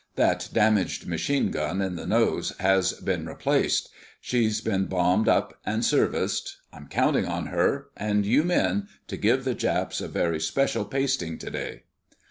That damaged machine gun in the nose has been replaced. She's been bombed up and serviced. I'm counting on her—and you men—to give the Japs a very special pasting today."